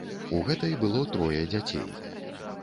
У гэтай было трое дзяцей.